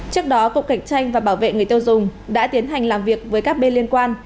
trước đó cục cạnh tranh và bảo vệ người tiêu dùng đã tiến hành làm việc với các bên liên quan